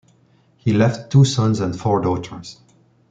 He left two sons and four daughters.